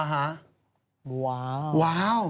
อ๋อฮะว้าวว้าว